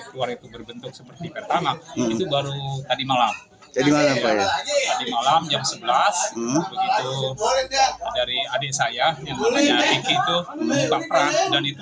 keluar itu berbentuk seperti pertama itu baru tadi malam tadi malam jam sebelas begitu